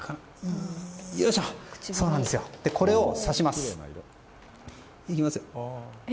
これを差します。